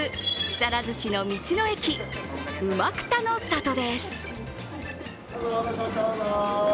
木更津市の道の駅うまくたの里です。